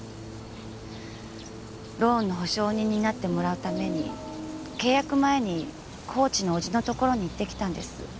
ローンの保証人になってもらうために契約前に高知のおじのところに行ってきたんです。